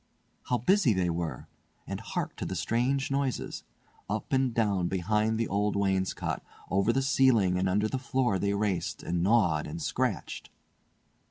How busy they were! and hark to the strange noises! Up and down behind the old wainscot, over the ceiling and under the floor they raced, and gnawed, and scratched!